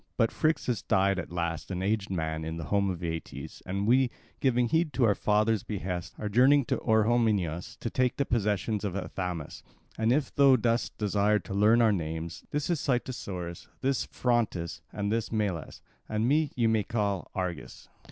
But Phrixus died at last, an aged man, in the home of Aeetes; and we, giving heed to our father's behests, are journeying to Orehomenus to take the possessions of Athamas. And if thou dost desire to learn our names, this is Cytissorus, this Phrontis, and this Melas, and me ye may call Argus."